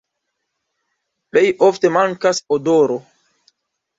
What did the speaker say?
Plej ofte mankas odoro.